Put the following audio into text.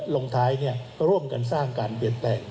ลงท้ายร่วมกันสร้างการเปลี่ยนแปลง